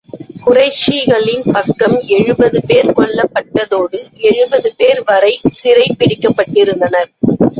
குறைஷிகளின் பக்கம் எழுபது பேர் கொல்லப் பட்டதோடு, எழுபது பேர் வரை சிறை பிடிக்கப்பட்டிருந்தனர்.